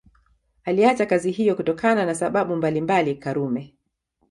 Aliacha kazi hiyo kutokana na sababu mbalimbali Karume